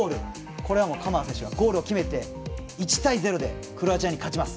これは鎌田選手がゴールを決めて１対０でクロアチアに勝ちます。